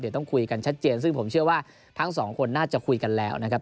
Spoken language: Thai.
เดี๋ยวต้องคุยกันชัดเจนซึ่งผมเชื่อว่าทั้งสองคนน่าจะคุยกันแล้วนะครับ